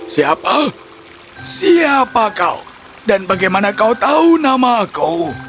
siapa siapa kau dan bagaimana kau tahu nama aku